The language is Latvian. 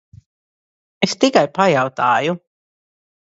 Es tikai pajautāju.